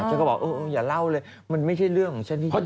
ฉันก็บอกเอออย่าเล่าเลยมันไม่ใช่เรื่องของฉันจริง